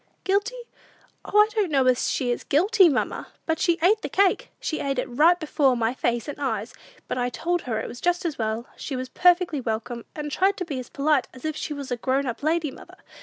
"Guilty? O, I don't know as she is guilty, mamma; but she ate the cake! She ate it right before my face and eyes; but I told her it was just as well, she was perfectly welcome, and tried to be as polite as if she was a grown up lady, mother.